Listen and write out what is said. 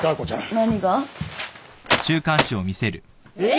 何が？えっ！？